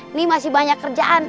ini masih banyak kerjaan